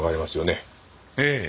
ええ。